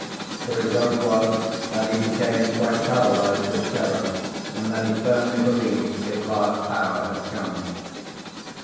The result was that he became quite paralysed with terror, and that he firmly believed his last hour had come.